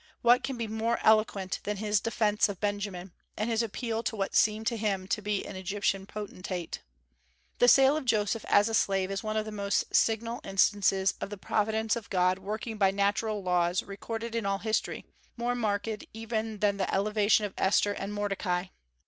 What can be more eloquent than his defence of Benjamin, and his appeal to what seemed to him to be an Egyptian potentate! The sale of Joseph as a slave is one of the most signal instances of the providence of God working by natural laws recorded in all history, more marked even than the elevation of Esther and Mordecai.